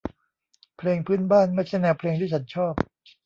เพลงพื้นบ้านไม่ใช่แนวเพลงที่ฉันชอบ